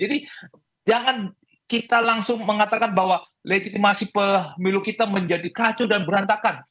jadi jangan kita langsung mengatakan bahwa legitimasi pemilu kita menjadi kacau dan berantakan